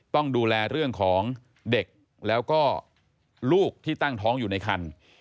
ต้องดูแลเรื่องของเด็กแล้วก็ลูกที่ตั้งท้องอยู่ในคัน